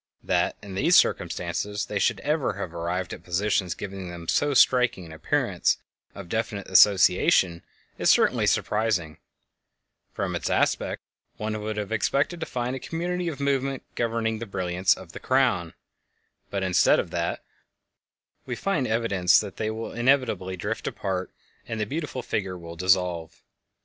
That in these circumstances they should ever have arrived at positions giving them so striking an appearance of definite association is certainly surprising; from its aspect one would have expected to find a community of movement governing the brilliants of the "Crown," but instead of that we find evidence that they will inevitably drift apart and the beautiful figure will dissolve.